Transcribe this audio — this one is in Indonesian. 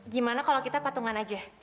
gimana kalau kita patungan aja